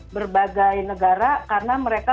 berbagai negara karena mereka